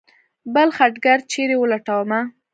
بل خټګر چېرې ولټومه.